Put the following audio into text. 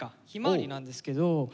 ひまわりなんですけど